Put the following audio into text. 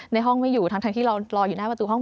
ในห้องไม่อยู่ทั้งที่เรารออยู่หน้าประตูห้อง